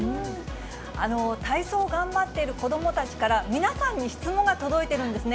体操頑張っている子どもたちから、皆さんに質問が届いているんですね。